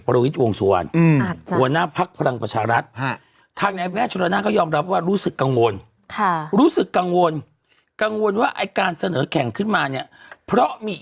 ไม่มีคำว่าอาจจะครับอยู่ที่การพูดคือ